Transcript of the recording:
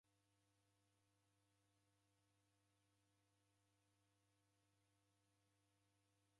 Oka mkiw'a hata ndoudima kugua w'ughanga hata ghumweri.